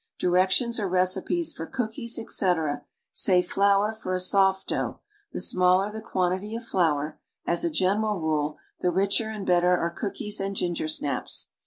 Directions or recipes for cookies, etc., say flour for a soft dough — the smaller the quantity of flour (as a general rule) the richer and better are cookies and gingersnaps.